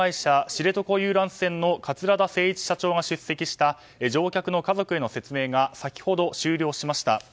知床遊覧船の桂田精一社長が出席した乗客の家族への説明が先ほど終了しました。